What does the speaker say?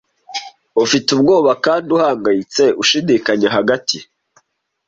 Ufite ubwoba kandi uhangayitse, ushidikanya hagati